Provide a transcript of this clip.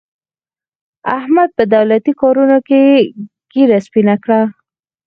احمد په دولتي کارونو کې ږېره سپینه کړه.